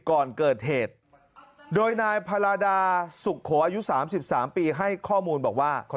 ก่อนเกิดเหตุโดยนายพาราดาสุโขอายุ๓๓ปีให้ข้อมูลบอกว่า